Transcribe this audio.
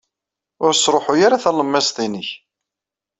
Ur sṛuḥuy ara talemmiẓt-nnek.